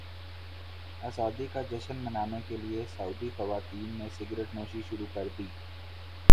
ازادی کا جشن منانے کے لیے سعودی خواتین نے سگریٹ نوشی شروع کردی